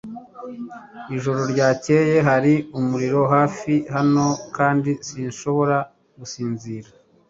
Ijoro ryakeye hari umuriro hafi hano, kandi sinshobora gusinzira.